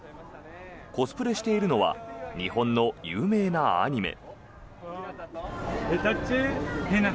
コスプレしているのは日本の有名なアニメ。